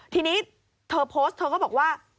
ทีนี้เธอโพสต์เธอก็บอกว่า